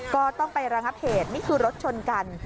ก็ต้องไประงับเหตุนี่คือรถชนกัน